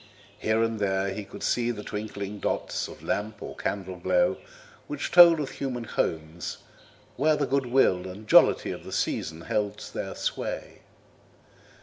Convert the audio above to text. Here and there he could see the twinkling dots of lamp or candle glow which told of human homes where the goodwill and jollity of the season held their sway.